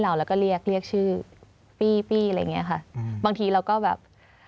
เราแล้วก็เรียกเรียกชื่อปี้อะไรเนี้ยค่ะบางทีเราก็แบบ